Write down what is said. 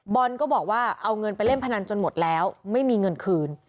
ก็บอกว่าเอาเงินไปเล่นพนันจนหมดแล้วไม่มีเงินคืน